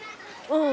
うん。